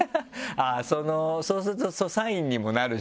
あぁそうするとサインにもなるしね。